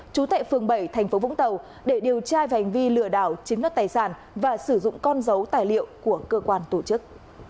thành phố vũng tàu để điều tra về hành vi lừa đảo chiếm đất tài sản và sử dụng con dấu tài liệu của cơ quan tổ chức